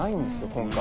今回。